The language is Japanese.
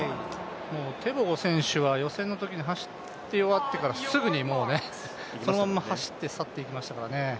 テボゴ選手は予選のときに走り終わってからそのまま走って去っていきましたからね。